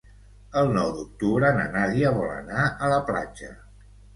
El nou d'octubre na Nàdia vol anar a la platja.